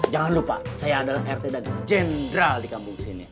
jangan lupa saya adalah rt dan jenderal di kampung sini